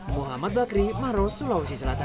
muhammad bakri maros sulawesi selatan